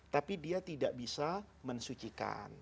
tapi dia tidak bisa mensucikan